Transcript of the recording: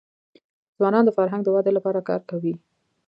ځوانان د فرهنګ د ودي لپاره کار کوي.